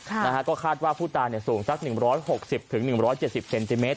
ก็คาดว่าผู้ตาสูงสัก๑๖๐๑๗๐เซนติเมตร